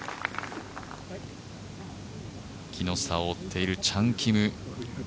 木下を追っているチャン・キム。